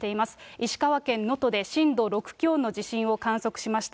石川県能登で震度６強の地震を観測しました。